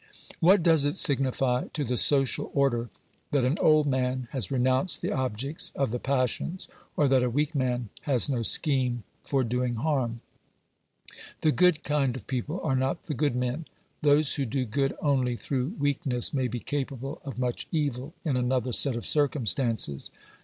What does it signify to the social order that an old man has renounced the objects of the passions, or that a weak man has no scheme for doing harm ? The good kind of people are not the good men ; those who do good only through weakness may be capable of much evil in another set of circumstances.